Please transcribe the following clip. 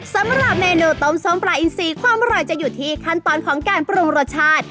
สำหรับเมนูต้มส้มปลาอินซีความอร่อยจะอยู่ที่ขั้นตอนของการปรุงรสชาติ